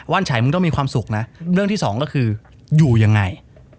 ฉัยมึงต้องมีความสุขนะเรื่องที่สองก็คืออยู่ยังไง